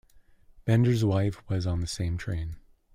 Bender's wife was on the same train.